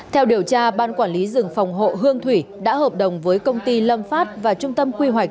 theo điều tra ban quản lý rừng phòng hộ hương thủy đã hợp đồng với công ty lâm phát và trung tâm quy hoạch